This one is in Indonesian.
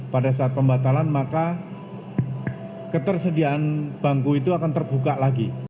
pada saat pembatalan maka ketersediaan bangku itu akan terbuka lagi